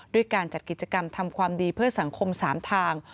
ด้วยการจัดกิจกรรมทำความดีเพื่อสังคม๓ทาง